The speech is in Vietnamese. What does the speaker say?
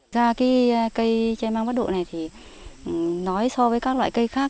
ra cây chai măng bắt độ này so với các loại cây khác